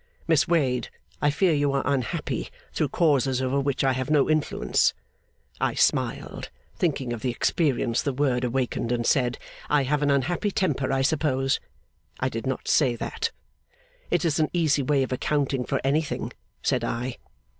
'Miss Wade, I fear you are unhappy, through causes over which I have no influence.' I smiled, thinking of the experience the word awakened, and said, 'I have an unhappy temper, I suppose.' 'I did not say that.' 'It is an easy way of accounting for anything,' said I.